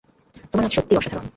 তোমার নাচ সত্যিই অসাধারণ।